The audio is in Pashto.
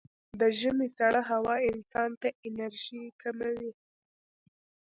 د ژمي سړه هوا انسان ته انرژي کموي.